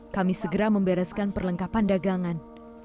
kami segera membereskan perlengkapan dagangan